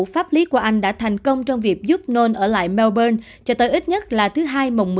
pháp lý của anh đã thành công trong việc giúp nôn ở lại melbourne cho tới ít nhất là thứ hai mồng một mươi